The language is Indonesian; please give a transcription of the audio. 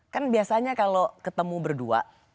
kan biasanya kalau ketemu berdua